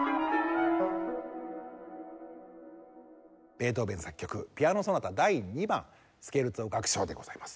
ベートーヴェン作曲『ピアノ・ソナタ第２番』スケルツォ楽章でございます。